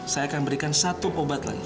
saya akan berikan satu obat lagi